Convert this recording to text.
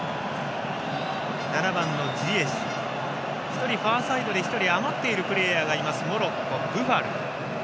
１人ファーサイドで１人余っているプレーヤーがいますモロッコ、ブファル。